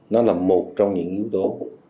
nó là một trong những yếu tố